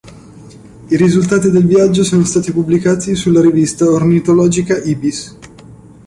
I risultati del viaggio sono stati pubblicati sulla rivista ornitologica "Ibis".